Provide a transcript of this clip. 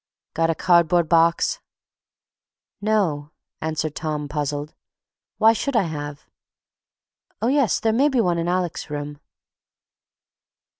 "Got a cardboard box?" "No," answered Tom, puzzled. "Why should I have? Oh, yes—there may be one in Alec's room."